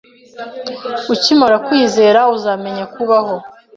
Ukimara kwiyizera, uzamenya kubaho.